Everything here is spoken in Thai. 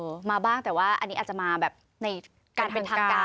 มาบ้างแต่ว่าอันนี้อาจจะมาแบบในการเป็นทางการ